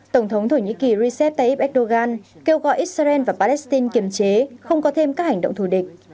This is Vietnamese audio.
tổng thống thổ nhĩ kỳ recep tayyip erdogan kêu gọi israel và palestine kiềm chế không có thêm các hành động thù địch